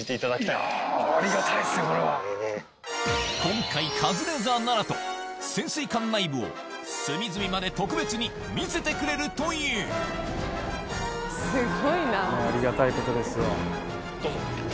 今回カズレーザーならと潜水艦内部を隅々まで特別に見せてくれるというありがたいことです。